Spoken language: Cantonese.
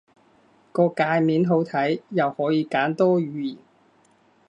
個介面好睇，又可以揀多語言